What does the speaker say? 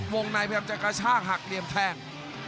วงในพยายามจะตั้งฮักลียมแทง